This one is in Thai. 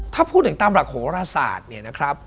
ถ้าพูดถึงตามหลักโหรศาสตร์เนี่ยนะครับ